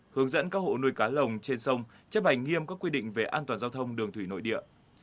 hướng dẫn các hộ nuôi cá lồng trên sông chấp hành nghiêm các quy định về an toàn giao thông đường thủy nội địa